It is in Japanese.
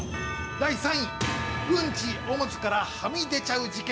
第３位、うんち、おむつからはみ出ちゃう事件。